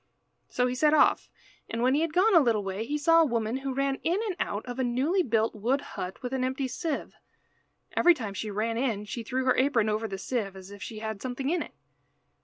So he set off, and when he had gone a little way he saw a woman who ran in and out of a newly built wood hut with an empty sieve. Every time she ran in she threw her apron over the sieve, as if she had something in it.